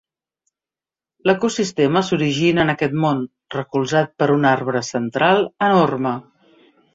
L'ecosistema s'origina en aquest món, recolzat per un arbre central enorme.